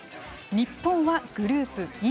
日本はグループＥ。